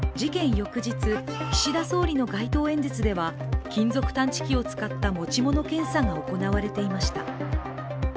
翌日、岸田総理の街頭演説では金属探知機を使った持ち物検査が行われていました。